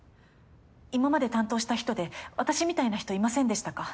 今まで担当した人で私みたいな人いませんでしたか？